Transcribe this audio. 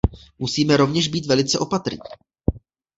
Musíme rovněž být velice opatrní.